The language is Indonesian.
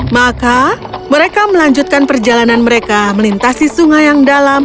maka mereka melanjutkan perjalanan mereka melintasi sungai yang dalam